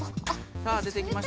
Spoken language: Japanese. さあ。